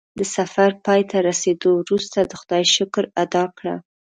د سفر پای ته رسېدو وروسته د خدای شکر ادا کړه.